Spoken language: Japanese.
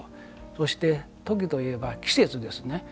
そして、時といえば季節ですね。